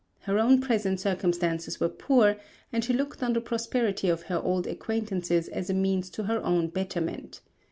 Her own present circumstances were poor and she looked on the prosperity of her old acquaintance as a means to her own betterment.